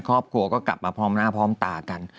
ครอบครัวก็กลับมาพร้อมหน้าพร้อมตากัน